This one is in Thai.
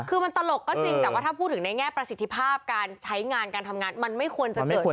คือมันตลกก็จริงแต่ว่าถ้าพูดถึงในแง่ประสิทธิภาพการใช้งานการทำงานมันไม่ควรจะเกิดขึ้น